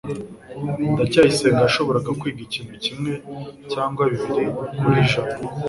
ndacyayisenga yashoboraga kwiga ikintu kimwe cyangwa bibiri kuri jabo